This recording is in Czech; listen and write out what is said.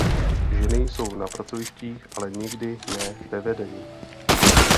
Ženy jsou na pracovištích, ale nikdy ne ve vedení.